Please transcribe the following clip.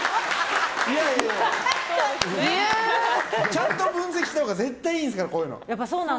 ちゃんと分析したほうが絶対いいんですから、こういうの。